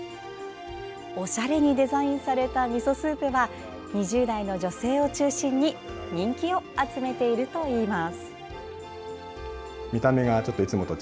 おしゃれにデザインされたみそスープは２０代の女性を中心に人気を集めているといいます。